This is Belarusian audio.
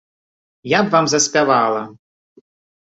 Я б вам заспявала!